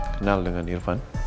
kenal dengan irfan